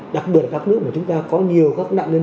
đặc biệt là các nước mà chúng ta có nhiều các đại nhân